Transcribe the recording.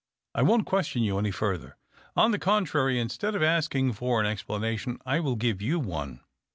I won't question you any further. On the contrary, instead of asking for an explanation I will give you one.